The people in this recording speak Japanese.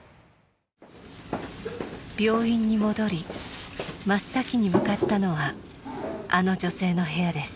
病院に戻り真っ先に向かったのはあの女性の部屋です。